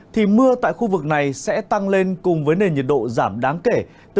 thì mưa tại khu vực này sẽ tăng lên cùng với nền nhiệt độ giảm đáng kể